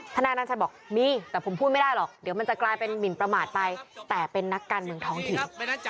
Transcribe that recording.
นายนันชัยบอกมีแต่ผมพูดไม่ได้หรอกเดี๋ยวมันจะกลายเป็นหมินประมาทไปแต่เป็นนักการเมืองท้องถิ่น